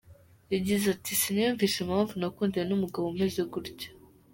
Yagize ati “Siniyumvisha impamvu nakundanye n’umugabo umeze gutya.